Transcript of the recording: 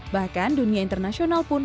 bahkan dunia internasional pun